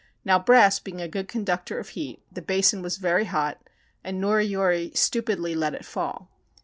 Now brass being a good conductor of heat, the basin was very hot and Noriyori stupidly let it fall.